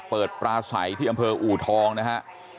ปลาใสที่อำเภออูทองนะฮะ